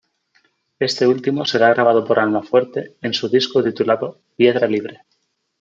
Este último será grabado por Almafuerte en su disco titulado "Piedra Libre".